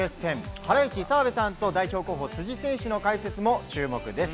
ハライチ澤部さんと辻選手の解説にも注目です。